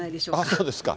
そうですか。